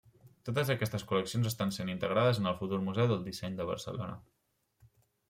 Totes aquestes col·leccions estan sent integrades en el futur Museu del disseny de Barcelona.